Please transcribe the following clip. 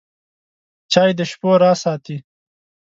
چای د شپو راز ساتي.